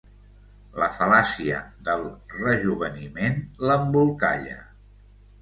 La fal·làcia del rejoveniment l'embolcalla.